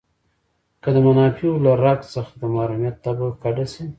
که د منافعو له رګ څخه د محرومیت تبه کډه شي.